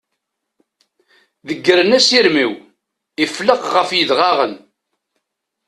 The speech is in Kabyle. Deggren asirem-iw, ifelleq ɣef yidɣaɣen.